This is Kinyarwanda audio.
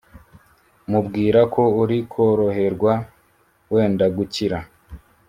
mubwirako uri koroherwa wenda gukira